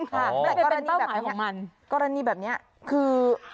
อ๋อมันเป็นเป้าหมายของมันแต่ก็อันนี้แบบนี้คือ